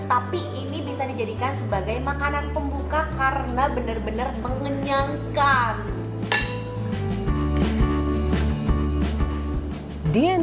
tapi ini bisa dijadikan sebagai makanan pembuka karena benar benar mengenyangkan